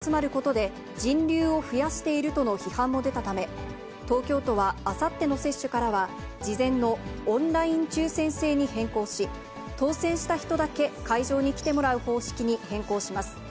また、人が集まることで人流を増やしているとの批判も出たため、東京都はあさっての接種からは事前のオンライン抽せん制に変更し、当せんした人だけ会場に来てもらう方式に変更します。